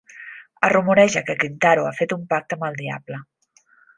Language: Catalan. Es rumoreja que Kintaro ha fet un pacte amb el diable.